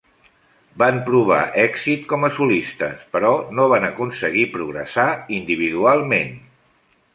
Van provar èxit com a solistes, però no van aconseguir progressar individualment.